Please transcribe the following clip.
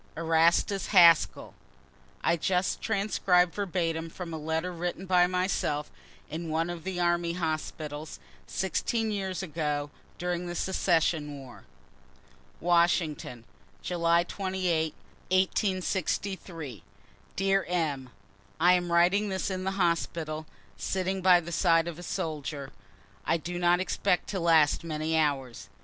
ERASTUS HASKELL. [I just transcribe verbatim from a letter written by myself in one of the army hospitals, 16 years ago, during the secession war.] Washington, July 28, 1863. Dear M., I am writing this in the hospital, sitting by the side of a soldier, I do not expect to last many hours.